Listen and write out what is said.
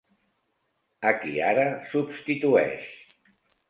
...a qui ara substitueix.